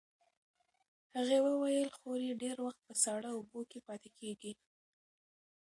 هغې وویل خور یې ډېر وخت په ساړه اوبو کې پاتې کېږي.